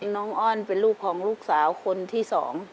น้องอ้อนเป็นลูกของลูกสาวคนที่๒